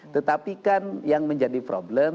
tetapi kan yang menjadi problem